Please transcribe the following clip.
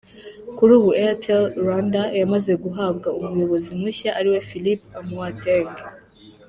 Kuri ubu Airtel Rwanda yamaze guhabwa umuyobozi mushya ari we Philip Amoateng.